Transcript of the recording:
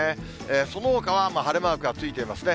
そのほかは晴れマークがついていますね。